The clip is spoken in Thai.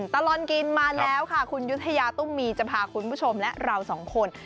ตลอดกินมาแล้วค่ะคุณยุธยาตุ้มมีจะพาคุณผู้ชมและเราสองคน